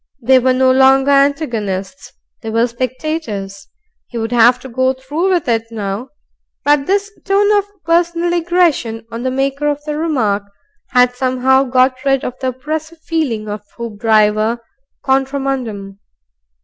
They were no longer antagonists; they were spectators. He would have to go through with it now. But this tone of personal aggression on the maker of the remark had somehow got rid of the oppressive feeling of Hoopdriver contra mundum.